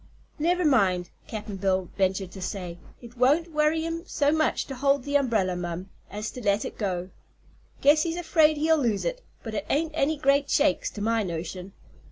"Never mind," Cap'n Bill ventured to say, "it won't worry him so much to hold the umbrella, mum, as to let it go. Guess he's afraid he'll lose it, but it ain't any great shakes, to my notion.